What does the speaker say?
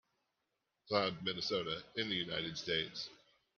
Cloud, Minnesota, in the United States.